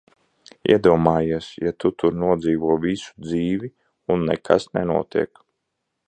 Iedomājies, ja tu tur nodzīvo visu dzīvi, un nekas nenotiek!